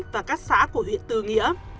và các xã của huyện tư nghĩa